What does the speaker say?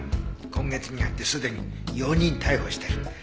今月に入ってすでに４人逮捕してる。